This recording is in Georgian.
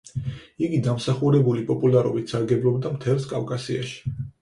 იგი დამსახურებული პოპულარობით სარგებლობდა მთელს კავკასიაში.